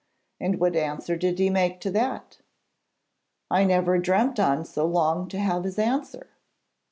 'And what answer did he make to that?' 'I never dreamt on so long as to have his answer.'